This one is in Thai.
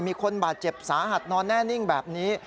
มีคนบาดเจ็บสาหัสนอนแน่นิ่งแบบนี้